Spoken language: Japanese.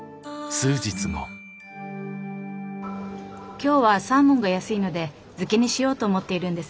「今日はサーモンが安いので漬けにしようと思っているんです。